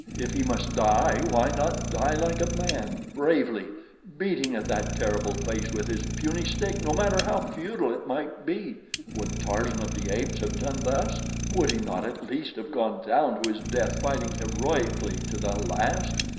If he must die, why not die like a man—bravely; beating at that terrible face with his puny stick, no matter how futile it might be. Would Tarzan of the Apes have done thus? Would he not at least have gone down to his death fighting heroically to the last?